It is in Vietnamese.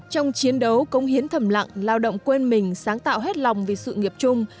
trong chiến đấu công hiến thầm lặng lao động quên mình sáng tạo hết lòng vì sự nghiệp chung